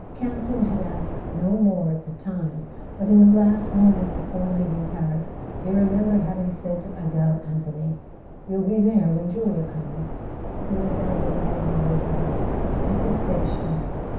Campton had asked no more at the time; but in the last moment before leaving Paris he remembered having said to Adele Anthony: "You'll be there when Julia comes?" and Miss Anthony had nodded back: "At the station."